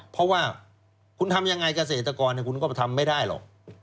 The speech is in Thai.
เพราะว่าคุณทำยังไงเกษตรกรคุณก็ทำไม่ได้หรอก